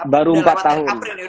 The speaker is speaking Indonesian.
baru empat tahun